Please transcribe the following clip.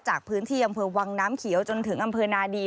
จากพื้นที่อำเภอวังน้ำเขียวจนถึงอำเภอนาดี